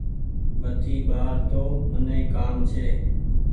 بتي ٻآڙ تو مني ڪآم ڇي۔